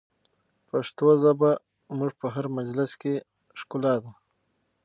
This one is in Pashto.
پښتو ژبه مو په هر مجلس کې ښکلا ده.